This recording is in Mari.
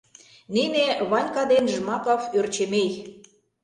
Нине — Ванька ден Жмаков Ӧрчемей.